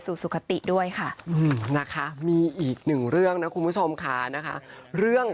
สุขติด้วยค่ะนะคะมีอีกหนึ่งเรื่องนะคุณผู้ชมค่ะนะคะเรื่อง